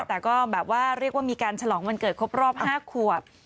ตะก็เรียกว่ามีการฉลองวันเกิดครบรอบ๕ครวบ